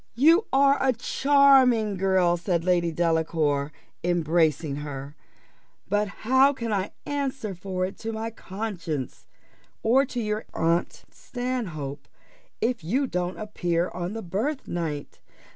"You are a charming girl," said Lady Delacour, embracing her; "but how can I answer for it to my conscience, or to your aunt Stanhope, if you don't appear on the birthnight?